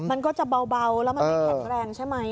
มันก็จะเบาแล้วมันไม่แข็งแรงใช่ไหม